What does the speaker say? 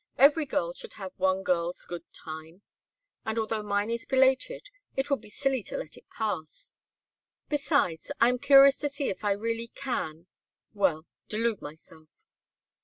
Every girl should have one girl's good time, and although mine is belated, it would be silly to let it pass. Besides, I am curious to see if I really can well, delude myself."